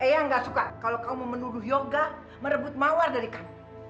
donny eang gak suka kalau kamu menuduh yoga merebut mawar dari kamu